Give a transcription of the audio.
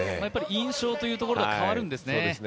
印象というところで変わるんですね。